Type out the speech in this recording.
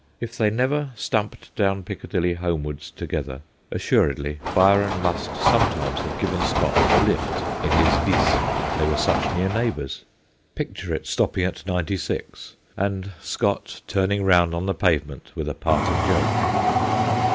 If they never stumped down Piccadilly homewards together, assuredly 'WALTER, MY MAN' 201 Byron must sometimes have given Scott a lift in his ' vis '; they were such near neigh bours. Picture it stopping at 96, and Scott turning round on the pavement with a parting joke.